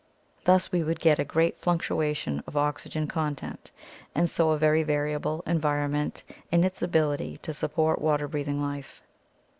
Thus we would get a great fluctuation of oxygen content and so a very variable environment in its ability to support water breathing life.